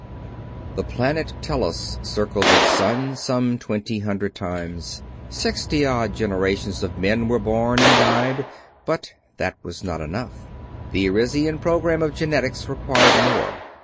_The planet Tellus circled its sun some twenty hundred times. Sixty odd generations of men were born and died, but that was not enough. The Arisian program of genetics required more.